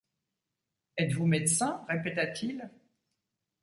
Etes-vous médecin ? répéta-t-il.